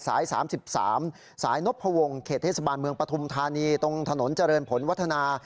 สาย๓๓สายนพวงเขตเทศบาลเมืองปฐุมธานีตรงถนนเจริญผลวัฒนา